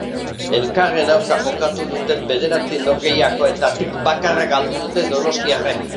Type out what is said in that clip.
Elkarren aurka jokatu duten bederatzi norgehiagoketatik bakarra galdu dute donostiarrek.